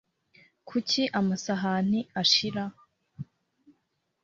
kuki amasahani ashira